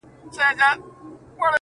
انسان نه یوازي خپل د ویلو مسؤل دی،